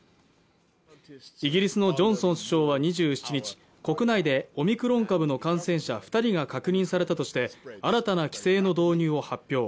イギリスのジョンソン首相は２７日、国内でオミクロン株の感染者２人が確認されたとして、新たな規制の導入を発表。